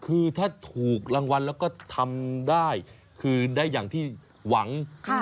คือถ้าถูกรางวัลแล้วก็ทำได้คืนได้อย่างที่หวัง